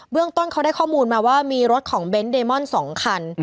เรื่องต้นเขาได้ข้อมูลมาว่ามีรถของเบนท์เดมอน๒คัน